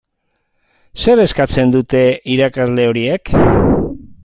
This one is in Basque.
Zer eskatzen dute irakasle horiek?